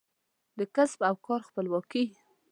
د کسب او کار خپلواکي